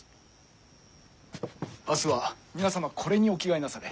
明日は皆様これにお着替えなされ。